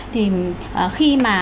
thì khi mà